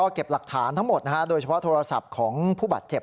เก็บหลักฐานทั้งหมดโดยเฉพาะโทรศัพท์ของผู้บาดเจ็บ